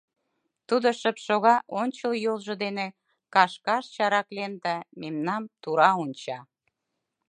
Тудо шып шога, ончыл йолжо дене кашкаш чараклен да мемнам тура онча.